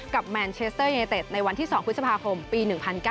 กับแมนเชสเตอร์ยังไงเต็ดในวันที่๒พฤษภาคมปี๑๙๙๓